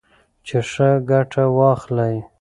چې ښه ګټه واخلئ.